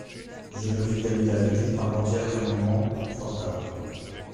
Je ne vis Damilaville avant-hier qu'un moment, fort tard.